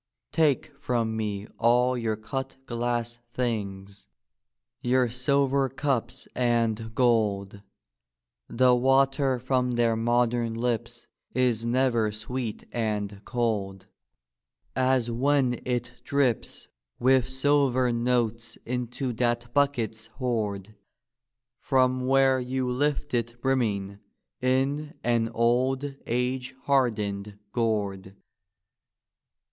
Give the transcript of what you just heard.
Take from me all your cut glass things; your silver cups and gold; The water from their modem lips is never sweet and cold As when it drips with silver notes into that bucket's hoard. From where you lift it brimming in an old age hardened gourd.